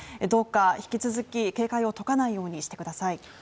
どうか引き続き警戒を解かないようにしてください。